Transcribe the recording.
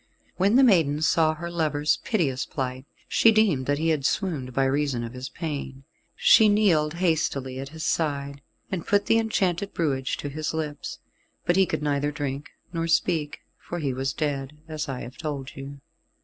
When the maiden saw her lover's piteous plight, she deemed that he had swooned by reason of his pain. She kneeled hastily at his side, and put the enchanted brewage to his lips, but he could neither drink nor speak, for he was dead, as I have told you.